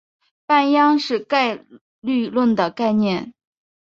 半鞅是概率论的概念。